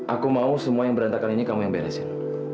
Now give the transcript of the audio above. aku mau semua yang berantakan ini kamu yang beresin